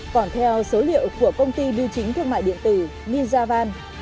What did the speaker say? còn theo số liệu của công ty bưu chính thương mại điện tử ninjavan